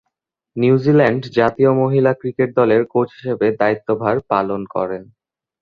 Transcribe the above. New Zealand জাতীয় মহিলা cricket দলের কোচ হিসেবে দায়িত্বভার পালন করেন।